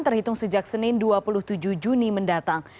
terhitung sejak senin dua puluh tujuh juni mendatang